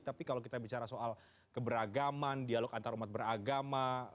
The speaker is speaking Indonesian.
tapi kalau kita bicara soal keberagaman dialog antarumat beragama